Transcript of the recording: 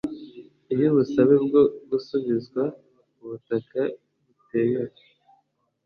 iyo ubusabe bwo gusubizwa ubutaka butemewe